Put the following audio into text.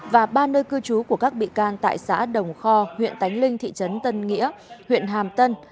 và ba nơi cư trú của các bị can tại xã đồng kho huyện tánh linh thị trấn tân nghĩa huyện hàm tân